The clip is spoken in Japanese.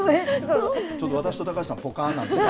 ちょっと私と高橋さんはぽかーんなんですが。